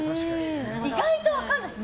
意外と分からないです。